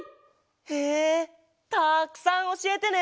へえたくさんおしえてね！